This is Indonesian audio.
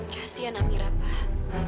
kasian amira pak